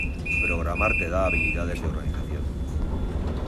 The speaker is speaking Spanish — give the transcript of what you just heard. Programar te da habiliades de organización.